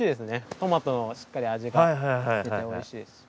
トマトのしっかり味がしてて美味しいです。